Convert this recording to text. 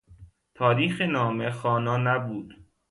تاریخ نامه خوانا نبود.